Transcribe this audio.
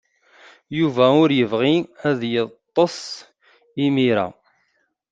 Yuba ur yebɣi ad yeḍḍes imir-a.